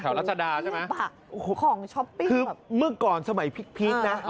แถวรัชดาใช่ไหมโอ้โฮคือเมื่อก่อนสมัยพริกนะอ๋อ